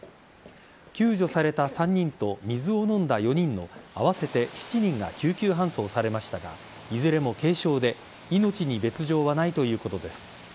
救助された３人と水を飲んだ４人の合わせて７人が救急搬送されましたがいずれも軽傷で命に別条はないということです。